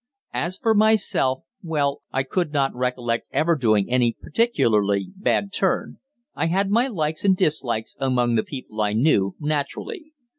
As for myself, well, I could not recollect ever doing any particularly bad turn I had my likes and dislikes among the people I knew, naturally.